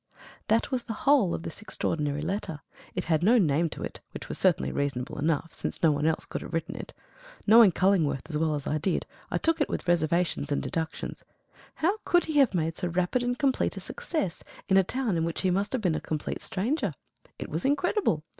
That was the whole of this extraordinary letter; it had no name to it, which was certainly reasonable enough, since no one else could have written it. Knowing Cullingworth as well as I did, I took it with reservations and deductions. How could he have made so rapid and complete a success in a town in which he must have been a complete stranger? It was incredible.